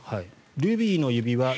「ルビーの指環」